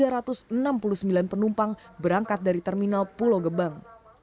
pada saat ini sekitar seratus penumpang sudah diangkat dari terminal pulau gebang